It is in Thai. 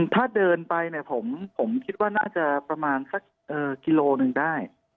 ถ้าเดินไปเนี่ยผมคิดว่าน่าจะประมาณสักกิโลหนึ่งได้